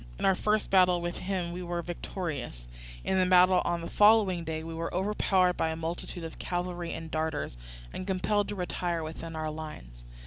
In our first battle with him we were victorious; in the battle on the following day we were overpowered by a multitude of cavalry and darters, and compelled to retire within our lines.